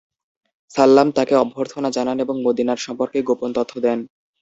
সাল্লাম তাকে অভ্যর্থনা জানান এবং মদিনার সম্পর্কে গোপন তথ্য দেন।